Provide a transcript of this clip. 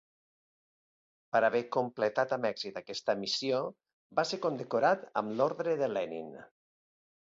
Per haver completat amb èxit aquesta missió, va ser condecorat amb l'orde de Lenin.